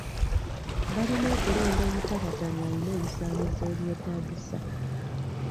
Balina okulonda omutabaganya ayina ebisaanyizo ebyetaagisa.